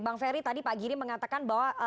bang ferry tadi pak giri mengatakan bahwa